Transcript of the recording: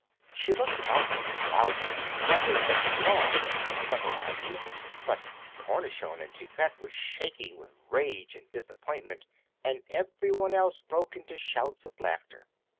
She looked about her proudly, expecting applause for her clever idea. But Cornichon and Toupette were shaking with rage and disappointment, and everyone else broke into shouts of laughter.